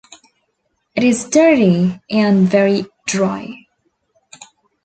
It is dirty and very dry.